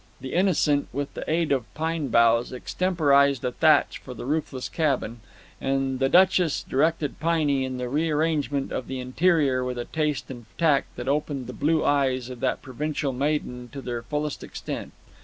The Innocent with the aid of pine boughs extemporized a thatch for the roofless cabin, and the Duchess directed Piney in the rearrangement of the interior with a taste and tact that opened the blue eyes of that provincial maiden to their fullest extent.